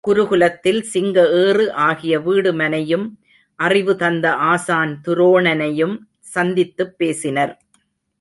குருகுலத்தில் சிங்க ஏறு ஆகிய வீடுமனையும் அறிவு தந்த ஆசான் துரோணனையும் சந்தித்துப் பேசினர்.